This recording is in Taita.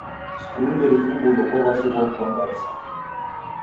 Skulu nderifungulo kwa w'asi ghwa vua mbaa isangenyi.